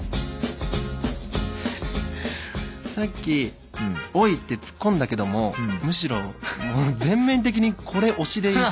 さっき「おい！」って突っ込んだけどもむしろ全面的にこれ押しでいい。